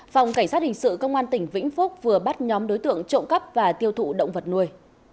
phòng cảnh sát hình sự công an tỉnh vĩnh phúc vừa bắt nhóm đối tượng trộm cắp và tiêu thụ động vật nuôi